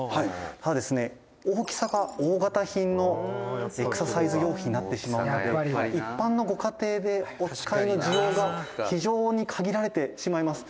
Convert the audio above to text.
「ただですね、大きさが大型品のエクササイズ用品になってしまうので一般のご家庭でお使いの需要が非常に限られてしまいます」